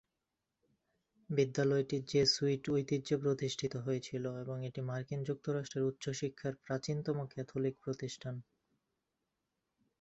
বিদ্যালয়টি জেসুইট ঐতিহ্যে প্রতিষ্ঠিত হয়েছিল এবং এটি মার্কিন যুক্তরাষ্ট্রের উচ্চ শিক্ষার প্রাচীনতম ক্যাথলিক প্রতিষ্ঠান।